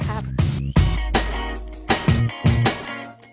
ครับ